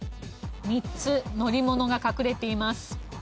３つ乗り物が隠れています。